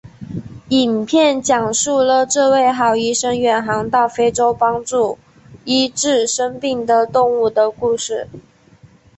影片讲述了这位好医生远航到非洲帮助医治生病的动物的故事。